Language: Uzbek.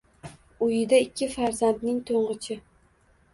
Uyida ikki farzandning to`ng`ichi